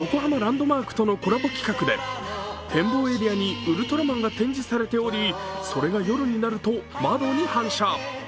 そう、実は今、横浜ランドマークとのコラボ企画で展望エリアにウルトラマンが展示されておりそれが夜になると窓に反射。